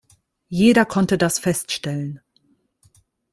Jeder konnte das feststellen.